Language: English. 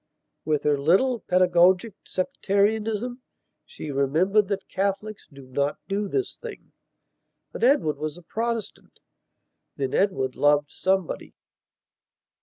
With her little, pedagogic sectarianism she remembered that Catholics do not do this thing. But Edward was a Protestant. Then Edward loved somebody....